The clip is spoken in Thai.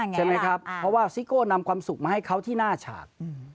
ใช่ไหมครับเพราะว่าซิโก้นำความสุขมาให้เขาที่หน้าฉาก